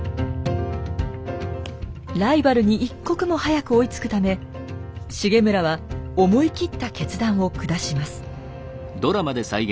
ライバルに一刻も早く追いつくため重村は思い切った決断を下します。